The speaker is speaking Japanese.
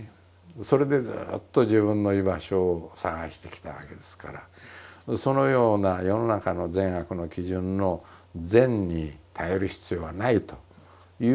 それでずっと自分の居場所を探してきたわけですからそのような世の中の善悪の基準の善に頼る必要はないということがね